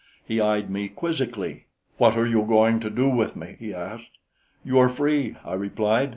He eyed me quizzically. "What are you going to do with me?" he asked. "You are free," I replied.